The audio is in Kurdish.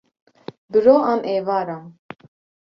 bi ro an êvaran